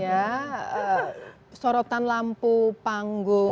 ya sorotan lampu panggung